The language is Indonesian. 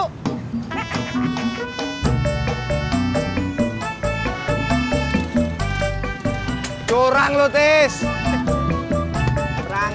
masa orang jadi sedang berhenti pakai perang